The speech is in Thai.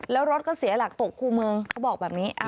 แล้วรถก็เสียหลักตกคู่เมืองเขาบอกแบบนี้